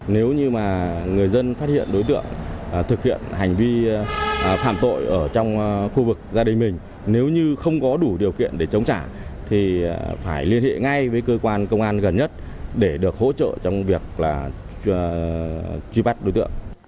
nếu như mà người dân phát hiện đối tượng thực hiện hành vi phạm tội ở trong khu vực gia đình mình nếu như không có đủ điều kiện để chống trả thì phải liên hệ ngay với cơ quan công an gần nhất để được hỗ trợ trong việc là truy bắt đối tượng